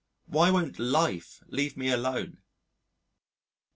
Why won't Life leave me alone?